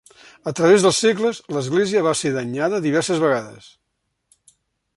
A través dels segles, l'església va ser danyada diverses vegades.